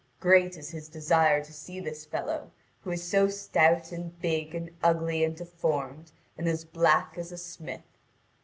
Great is his desire to see this fellow, who is so stout and big and ugly and deformed, and as black as a smith.